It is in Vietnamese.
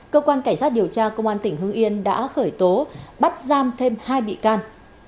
cơ quan cảnh sát điều tra công an tỉnh hưng yên đã khởi tố bắt giam thêm hai bị can